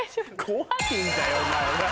怖いんだよお前ら。